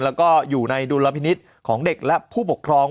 แล้วก็อยู่ในดุลพินิษฐ์ของเด็กและผู้ปกครอง